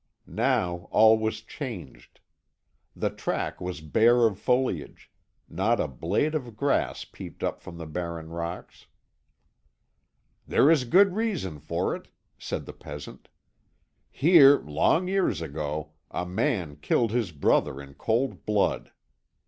Now all was changed. The track was bare of foliage; not a blade of grass peeped up from the barren rocks. "There is good reason for it," said the peasant; "here, long years ago, a man killed his brother in cold blood.